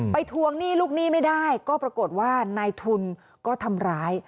ทวงหนี้ลูกหนี้ไม่ได้ก็ปรากฏว่านายทุนก็ทำร้าย